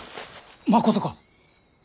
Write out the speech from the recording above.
まことか！？